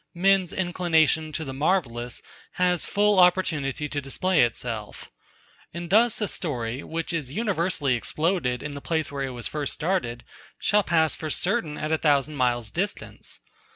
Men's inclination to the marvellous has full opportunity to display itself. And thus a story, which is universally exploded in the place where it was first started, shall pass for certain at a thousand miles distance.